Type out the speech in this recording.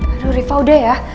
aduh rifah udah ya